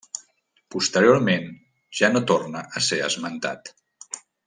Posteriorment ja no torna a ser esmentat.